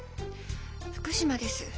福島です。